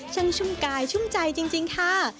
ชุ่มกายชุ่มใจจริงค่ะ